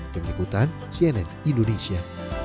kepada sienet indonesia